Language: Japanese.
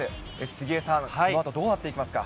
杉江さん、このあとどうなっていきますか。